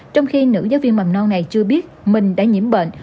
trong khi nữ giáo viên mầm non này chưa biết mình đã nhiễm bệnh